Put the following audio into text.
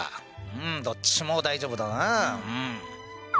うんどっちも大丈夫だなうん。